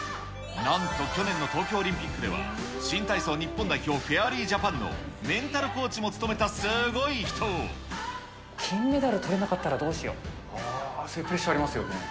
なんと去年の東京オリンピックでは、新体操日本代表フェアリージャパンのメンタルコーチも務めたすご金メダルとれなかったらどうそれ、プレッシャーありますよね。